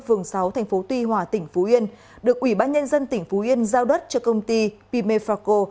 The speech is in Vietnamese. phường sáu tp tuy hòa tỉnh phú yên được ubnd tỉnh phú yên giao đất cho công ty pimefaco